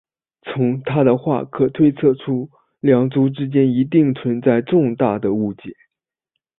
从她的话可推测出两族之间一定存在重大的误解。